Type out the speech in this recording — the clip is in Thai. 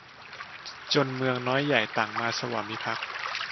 จนเมืองน้อยใหญ่ต่างมาสวามิภักดิ์